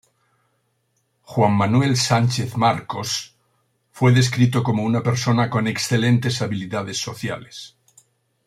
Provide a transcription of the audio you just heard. Juan Manuel Sánchez Marcos fue descrito como una persona con excelentes habilidades sociales.